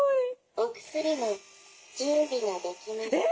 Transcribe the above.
「お薬の準備ができました」。